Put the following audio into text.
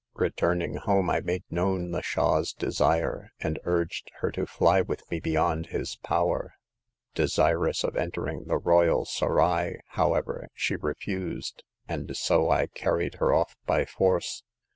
Returning home, I made known the Shah's desire, and urged her to fly with me beyond his power. Desirous of entering the royal serail, however, she refused, and so I carried her off by force.